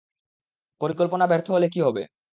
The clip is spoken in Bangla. পরিকল্পনা ব্যর্থ হলে কী হবে?